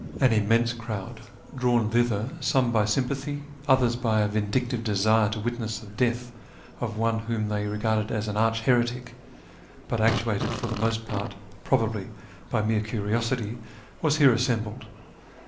An immense crowd, drawn thither some by sympatliy, others by a vindictive desire to witness the death of one whom they regarded as an arch heretic, but actuated for the most part, probably, by mere curiosity, was here assembled.